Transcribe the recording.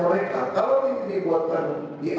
sebuah yang disebut tadi